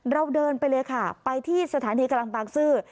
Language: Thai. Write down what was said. เราเดินไปเลยค่ะไปที่สถานีกลางบางซื่อ